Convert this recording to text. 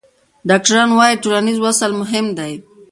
ډاکټران وايي ټولنیز وصل مهم دی.